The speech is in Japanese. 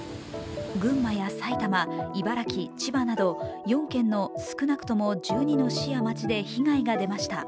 群馬や埼玉、茨城、千葉など４県の少なくとも１２の市や町で被害が出ました。